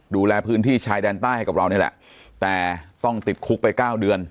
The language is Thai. ดูแลพื้นที่ชายแดนใต้ให้กับเรานี่แหละแต่ต้องติดคุกไปเก้าเดือน